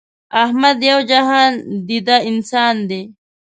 احمد یو جهان دیده انسان دی.